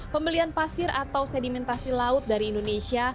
pembelian pasir atau sedimentasi laut dari indonesia